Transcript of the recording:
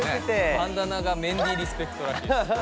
バンダナがメンディーリスペクト。